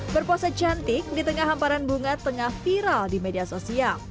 berpose cantik di tengah hamparan bunga tengah viral di media sosial